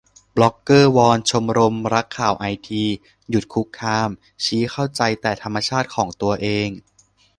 บล็อกเกอร์วอนชมรมรักข่าวไอทีหยุดคุกคาม ชี้เข้าใจแต่ธรรมชาติของตัวเอง